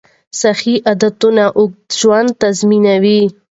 صحي عادتونه اوږد ژوند تضمینوي.